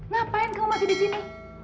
ngapain kamu masih di sini